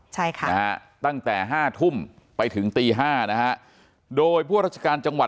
ใช่ค่ะ